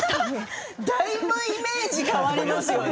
だいぶイメージが変わりますよね。